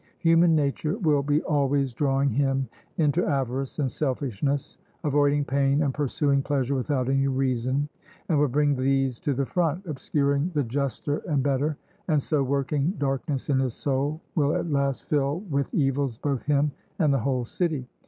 Human nature will be always drawing him into avarice and selfishness, avoiding pain and pursuing pleasure without any reason, and will bring these to the front, obscuring the juster and better; and so working darkness in his soul will at last fill with evils both him and the whole city.